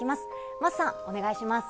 桝さん、お願いします。